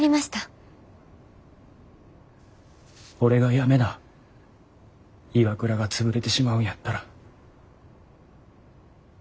俺が辞めなＩＷＡＫＵＲＡが潰れてしまうんやったら。